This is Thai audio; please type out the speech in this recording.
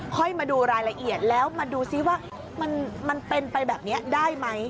มาดูรายละเอียดแล้วมาดูซิว่ามันเป็นไปแบบนี้ได้ไหม